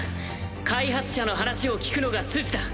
開発者の話を聞くのが筋だ。